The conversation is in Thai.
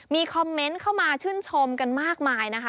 มีคอมเมนต์เข้ามาชื่นชมกันมากมายนะคะ